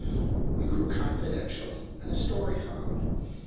"We grew confidential, and a story followed.